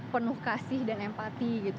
penuh kasih dan empati gitu